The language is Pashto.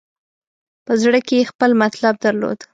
په زړه کې یې خپل مطلب درلود.